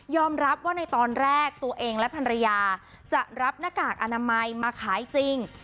รับว่าในตอนแรกตัวเองและภรรยาจะรับหน้ากากอนามัยมาขายจริง